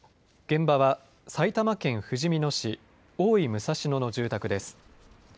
現場は埼玉県ふじみ野市大井武蔵野の住宅です。